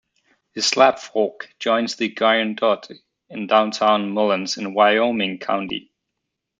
The Slab Fork joins the Guyandotte in downtown Mullens in Wyoming County.